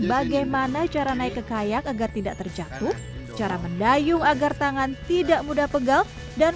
bagaimana cara naik ke kayakk agar tidak terjatuh cara mendayung agar tangan tidak mudah pegal dan